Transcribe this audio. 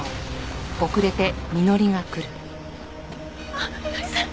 あっみのりさん